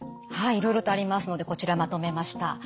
はいいろいろとありますのでこちらまとめました。